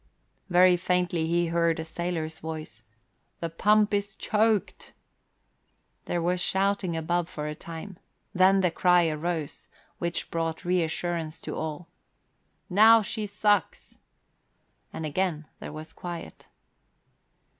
Very faintly he heard a sailor's voice, "The pump is choked." There was shouting above for a time, then the cry arose, which brought reassurance to all, "Now she sucks," and again there was quiet.